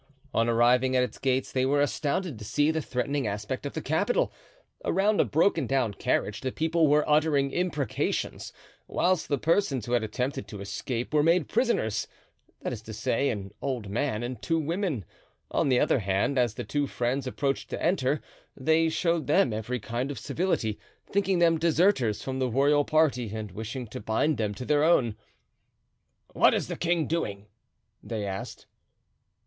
On arriving at its gates they were astounded to see the threatening aspect of the capital. Around a broken down carriage the people were uttering imprecations, whilst the persons who had attempted to escape were made prisoners—that is to say, an old man and two women. On the other hand, as the two friends approached to enter, they showed them every kind of civility, thinking them deserters from the royal party and wishing to bind them to their own. "What is the king doing?" they asked.